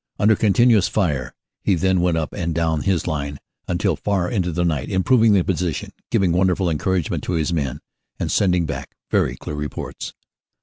Under continuous fire he then went up and down his line until far into the night, improving the position, giving wonderful encouragement to his men, and sending back very clear reports.